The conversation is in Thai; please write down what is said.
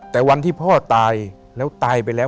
แต่วันที่พ่อตายแล้วตายไปแล้ว